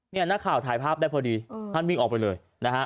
นี่นักข่าวถ่ายภาพได้พอดีท่านวิ่งออกไปเลยนะฮะ